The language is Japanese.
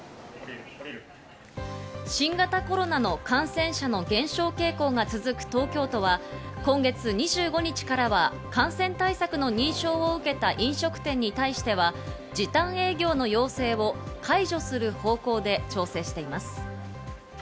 新型コロナの感染者の減少傾向が続く東京都は今月２５日からは感染対策の認証を受けた飲食店に対しては時短営業の要請を解除する方向で調整しています。